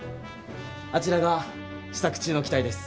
あちらが試作中の機体です。